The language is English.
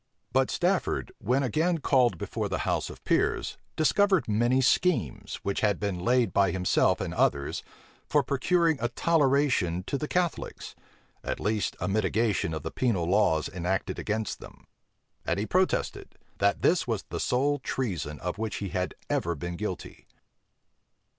But Stafford, when again called before the house of peers, discovered many schemes, which had been laid by himself and others, for procuring a toleration to the Catholics, at least a mitigation of the penal laws enacted against them: and he protested, that this was the sole treason of which he had ever been guilty.